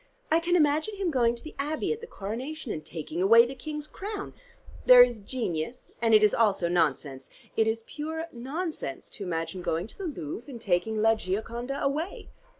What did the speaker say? I can imagine him going to the Abbey at the Coronation, and taking away the King's crown. There is genius, and it is also nonsense. It is pure nonsense to imagine going to the Louvre and taking 'la Gioconda' away."